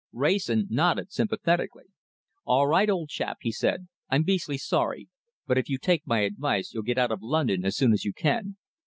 Wrayson nodded sympathetically. "All right, old chap," he said. "I'm beastly sorry, but if you take my advice, you'll get out of London as soon as you can.